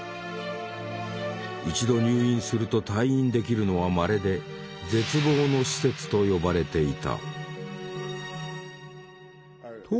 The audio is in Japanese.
一度入院すると退院できるのはまれで「絶望の施設」と呼ばれていた。